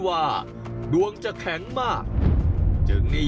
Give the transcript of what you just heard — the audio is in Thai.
หันล้วยหันล้วยหันล้วยหันล้วย